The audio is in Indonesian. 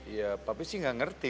iya tapi sih gak ngerti